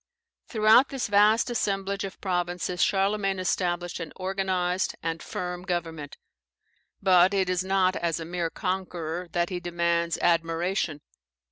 ] Throughout this vast assemblage of provinces, Charlemagne established an organized and firm government. But it is not as a mere conqueror that he demands admiration.